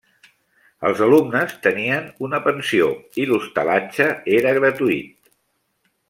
Els alumnes tenien una pensió i l'hostalatge era gratuït.